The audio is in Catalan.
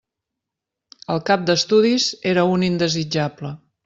El cap d'estudis era un indesitjable.